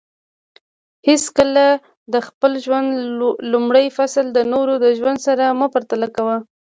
حیڅکله د خپل ژوند لومړی فصل د نورو د ژوند سره مه پرتله کوه